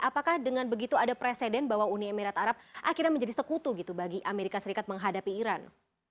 apakah dengan begitu ada presiden bahwa uni emirat arab akhirnya menjadi sekutu gitu bagi amerika serikat menghadapi iran